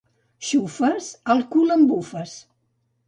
—Xufes? —El cul em bufes.